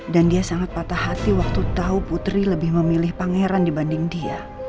dan dia sangat patah hati waktu tau putri lebih memilih pangeran dibanding dia